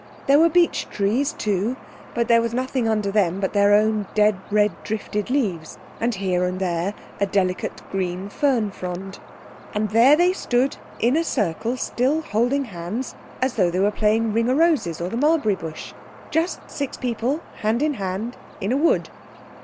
There were beech trees too, but there was nothing under them but their own dead red drifted leaves, and here and there a delicate green fern frond. And there they stood in a circle still holding hands, as though they were playing Ring o' Roses or the Mulberry Bush. Just six people hand in hand in a wood.